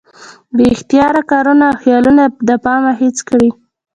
بې اختياره کارونه او خيالونه د پامه هېڅ کړي